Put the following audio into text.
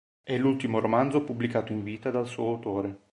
È l'ultimo romanzo pubblicato in vita dal suo autore.